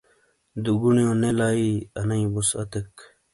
دُگونیو نے لائیی انئیی وُسعتیک۔